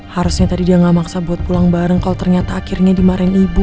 harusnya tadi dia gak maksa buat pulang bareng kalau ternyata akhirnya dimarahin ibu